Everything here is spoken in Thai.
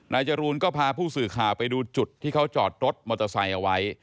จรูนก็พาผู้สื่อข่าวไปดูจุดที่เขาจอดรถมอเตอร์ไซค์เอาไว้